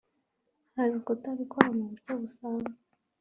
Hari ukutabikora mu buryo busanzwe